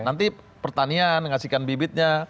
nanti pertanian ngasihkan bibitnya